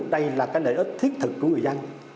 đây là cái lợi ích thiết thực của người dân